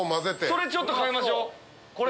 それちょっと買いましょう。